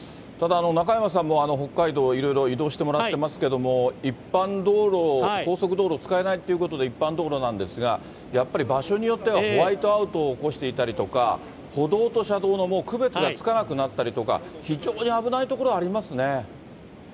ただ中山さんも、北海道、いろいろ移動してもらってますけども、一般道路、高速道路使えないということで、一般道路なんですが、やっぱり場所によっては、ホワイトアウトを起こしていたりとか、歩道と車道のもう、区別がつかなくなったりとか、非常に危ない所ありますね。